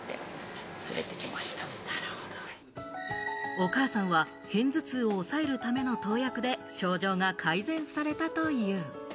お母さんは片頭痛を抑えるための投薬で症状が改善されたという。